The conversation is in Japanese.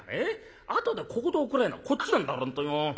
あとで小言を食らうのはこっちなんだから本当にもう。